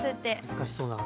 難しそうだな。